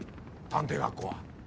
探偵学校は。